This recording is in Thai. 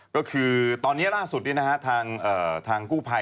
ก็คือตอนนี้ล่าสุดทางกู้ภัย